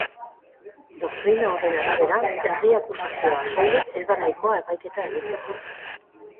Doktrina horren arabera, herri akusazioa soilik ez da nahikoa epaiketa egiteko.